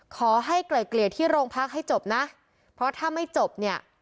ไกลเกลี่ยที่โรงพักให้จบนะเพราะถ้าไม่จบเนี่ย